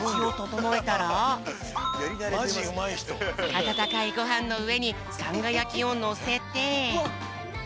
あたたかいごはんのうえにさんがやきをのせて。